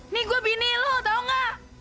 nih gue bini lo tau gak